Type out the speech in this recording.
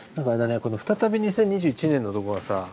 この「再び２０２１年」のとこがさ